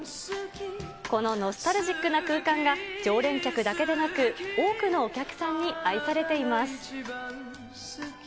このノスタルジックな空間が、常連客だけでなく多くのお客さんに愛されています。